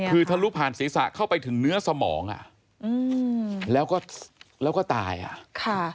คือทะลุผ่านศีรษะเข้าไปถึงเนื้อสมองอะแล้วก็ตายอะ